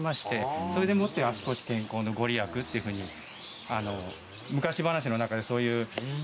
それでもって足腰健康の御利益というふうに昔話の中でそういう神話がございまして。